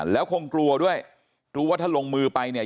แล้วคงกลัวด้วยกลัวว่าถ้าลงมือไปเนี่ย